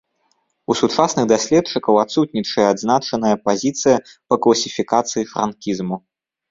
У сучасных даследчыкаў адсутнічае адназначная пазіцыя па класіфікацыі франкізму.